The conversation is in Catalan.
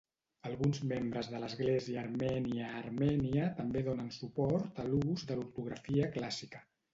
Alguns membres de l'església armènia a Armènia també donen suport a l'ús de l'ortografia clàssica.